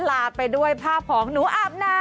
ลาไปด้วยภาพของหนูอาบน้ำ